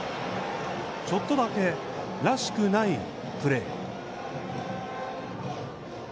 ちょっとだけ、らしくないプレー。